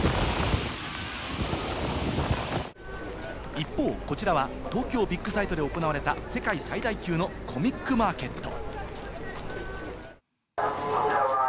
一方、こちらは東京ビッグサイトで行われた世界最大級のコミックマーケット。